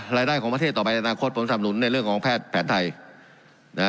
รายได้ของประเทศต่อไปในอนาคตผมสำนุนในเรื่องของแพทย์แผนไทยนะฮะ